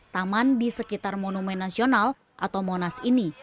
taman di sekitar monumen nasional atau monas ini